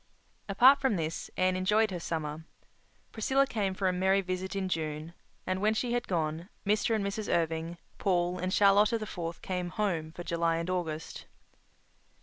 Apart from this, Anne enjoyed her summer. Priscilla came for a merry visit in June; and, when she had gone, Mr. and Mrs. Irving, Paul and Charlotta the Fourth came "home" for July and August.